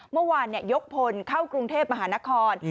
เมื่อวานยกพลเข้ากรุงเทพมหานคร